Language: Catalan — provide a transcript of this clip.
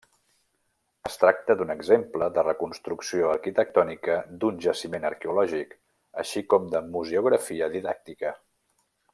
Es tracta d'un exemple de reconstrucció arquitectònica d'un jaciment arqueològic, així com de museografia didàctica.